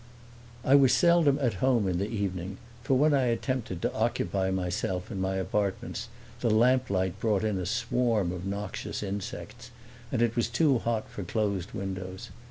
V I was seldom at home in the evening, for when I attempted to occupy myself in my apartments the lamplight brought in a swarm of noxious insects, and it was too hot for closed windows.